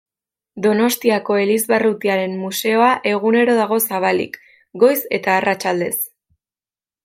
Donostiako Elizbarrutiaren museoa egunero dago zabalik, goiz eta arratsaldez.